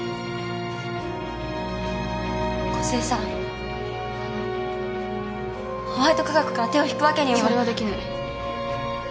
あのホワイト化学から手を引くわけには。それはできない。